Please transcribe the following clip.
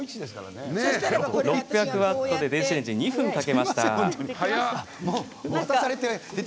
６００ワットでレンジ、２分かけました。